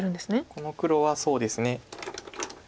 この黒はそうですね。